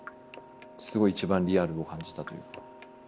すごいいちばんリアルを感じたというか。